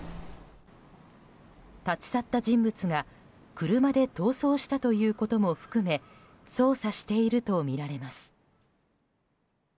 立ち去った人物が車で逃走したということも含め捜査しているとみられます。